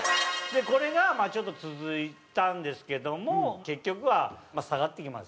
これがちょっと続いたんですけども結局は下がってきますよね。